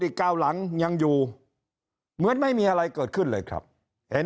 เก้าหลังยังอยู่เหมือนไม่มีอะไรเกิดขึ้นเลยครับเห็น